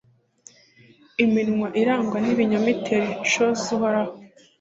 Iminwa irangwa n’ibinyoma itera ishozi Uhoraho